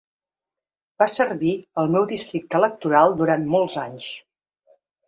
Va servir el meu districte electoral durant molts anys.